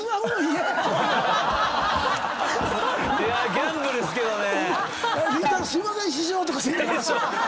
ギャンブルっすけどね。